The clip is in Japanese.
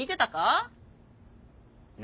何？